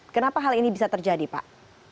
kenapa hal ini bisa terjadi pak